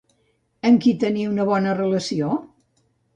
Amb qui tenir una bona relació?